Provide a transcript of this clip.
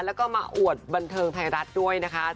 แล้วก็มาอวดบันเทิงไทยรัฐด้วยนะคะ